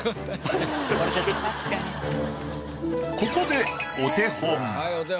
ここでお手本。